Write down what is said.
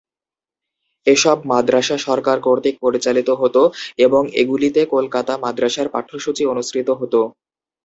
এসব মাদ্রাসা সরকার কর্তৃক পরিচালিত হতো এবং এগুলিতে কলকাতা মাদ্রাসার পাঠ্যসূচি অনুসৃত হতো।